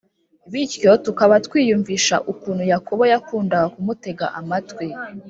bityo tukaba twiyumvisha ukuntu Yakobo yakundaga kumutega amatwi